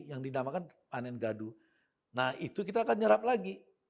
yang dinamakan panen gadu nah itu kita akan nyerap lagi